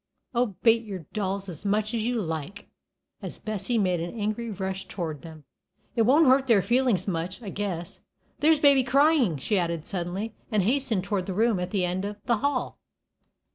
Oh, bate your dolls as much as you like!" as Bessie made an angry rush toward them; "it won't hurt their feelin's much, I guess. There's Baby cryin'!" she added, suddenly, and hastened toward the room at the end of the hall.